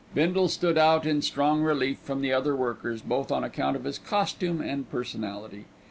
Bindle stood out in strong relief from the other workers, both on account of his costume and personality.